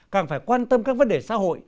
càng phải quan tâm các vấn đề xã hội